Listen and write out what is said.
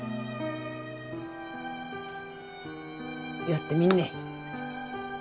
やってみんね。